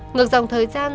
ngược dòng thời gian